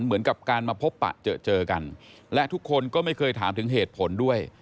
เหมือนกับการมาพบปะเจอเจอกันและทุกคนก็ไม่เคยถามถึงเหตุผลด้วย